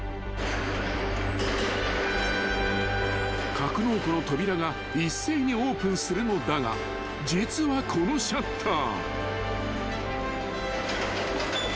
［格納庫の扉が一斉にオープンするのだが実はこのシャッター］